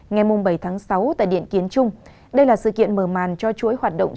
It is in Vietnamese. ngày bảy tháng sáu tại điện kiến trung đây là sự kiện mở màn cho chuỗi hoạt động